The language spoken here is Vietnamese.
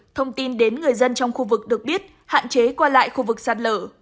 thông tin đến người dân trong khu vực được biết hạn chế qua lại khu vực sạt lở